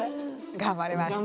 頑張りました。